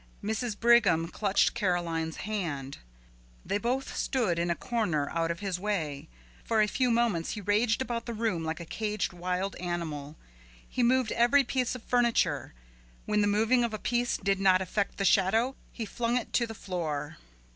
Mrs. Brigham clutched Caroline's hand. They both stood in a corner out of his way. For a few moments he raged about the room like a caged wild animal. He moved every piece of furniture; when the moving of a piece did not affect the shadow he flung it to the floor.